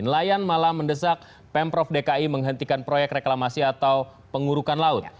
nelayan malah mendesak pemprov dki menghentikan proyek reklamasi atau pengurukan laut